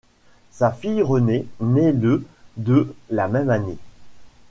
Sa fille Renée naît le de la même année.